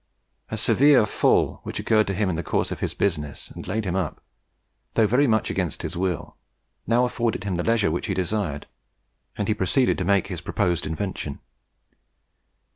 A severe fall which occurred to him in the course of his business, and laid him up, though very much against his will, now afforded him the leisure which he desired, and he proceeded to make his proposed invention.